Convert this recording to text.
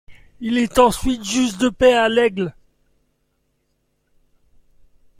Il est ensuite juge de paix à Laigle.